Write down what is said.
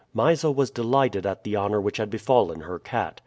Mysa was delighted at the honor which had befallen her cat.